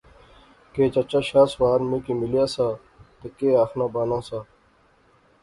کہ چچا شاہ سوار میں کی ملیا سا تہ کہہ آخنا بانا سا